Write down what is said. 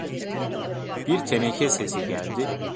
Bir teneke sesi geldi.